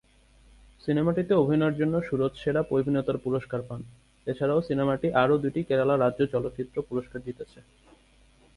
সিনেমাটিতে অভিনয়ের জন্য সুরজ সেরা অভিনেতার পুরস্কার পান, এছাড়াও সিনেমাটি আরও দুটি কেরালা রাজ্য চলচ্চিত্র পুরস্কার জিতেছে।